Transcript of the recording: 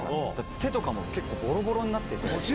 手とかもボロボロになってて。